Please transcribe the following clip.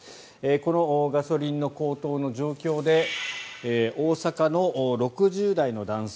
このガソリンの高騰の状況で大阪の６０代の男性